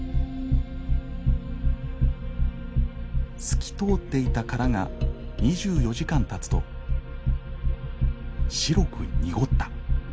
透き通っていた殻が２４時間たつと白く濁った。